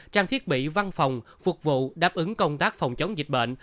trang thiết bị văn phòng phục vụ đáp ứng công tác phòng chống dịch bệnh